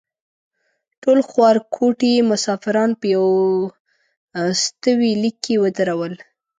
ټول خوارکوټي مسافران په یوستوي لیک کې ودرول.